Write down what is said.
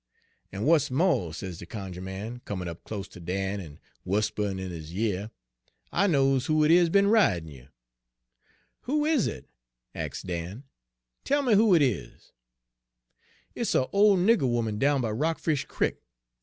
" 'En w'at's mo',' sez de cunjuh man, comin' up close ter Dan en whusp'in' in his yeah, 'I knows who it is be'n ridin' you.' " 'Who is it?' ax' Dan. 'Tell me who it is.' " 'It's a' ole nigger 'oman down by Rockfish Crick.